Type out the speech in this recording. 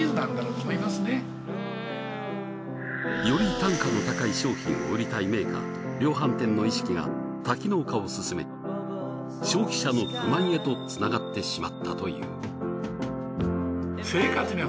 より単価の高い商品を売りたいメーカーと量販店の意識が多機能化を進め消費者の不満へとつながってしまったという。